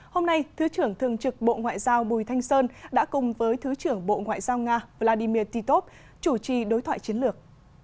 hôm nay thứ trưởng thường trực bộ ngoại giao bùi thanh sơn đã cùng với thứ trưởng bộ ngoại giao nga vladimir titov chủ trì đối thoại chiến lược